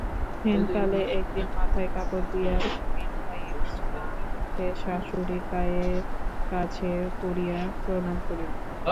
হেনকালে একদিন মাথায় কাপড় দিয়া মৃন্ময়ী ম্লানমুখে শাশুড়ীর পায়ের কাছে পড়িয়া প্রণাম করিল।